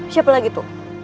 siapa lagi tuh